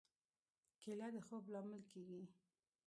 کېله د خوب لامل کېږي.